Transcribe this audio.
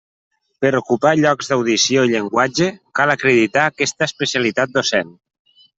Per ocupar llocs d'audició i llenguatge cal acreditar aquesta especialitat docent.